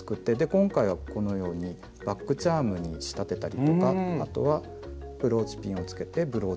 今回はこのようにバッグチャームに仕立てたりとかあとはブローチピンをつけてブローチにしたりとか。